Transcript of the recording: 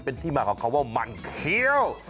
เป็นที่มากของเกียร์วะมรรเคียว